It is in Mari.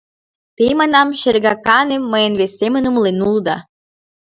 – Те, — манам, — шергаканем, мыйым вес семын умылен улыда.